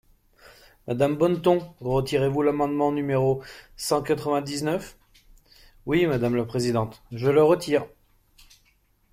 Madame Bonneton, retirez-vous l’amendement numéro cent quatre-vingt-dix-neuf ? Oui, madame la présidente, je le retire.